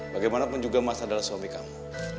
bagaimanapun juga mas adalah suami kamu